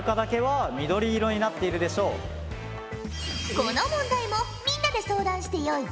この問題もみんなで相談してよいぞ。